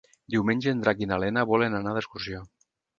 Diumenge en Drac i na Lena volen anar d'excursió.